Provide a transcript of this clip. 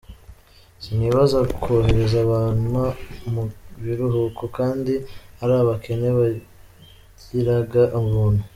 Sinibaza kohereza abana mu biruhuko kandi ari abakene bigiraga ubuntu.